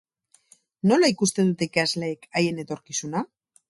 Nola ikusten dute ikasleek haien etorkizuna?